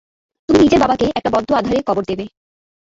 তুমি নিজের বাবাকে একটা বদ্ধ আধারে কবর দেবে।